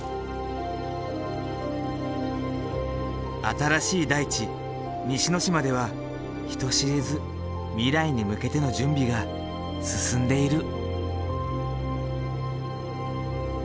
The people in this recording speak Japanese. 新しい大地西之島では人知れず未来に向けての準備が進んでいる。